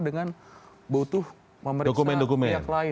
dengan butuh memeriksa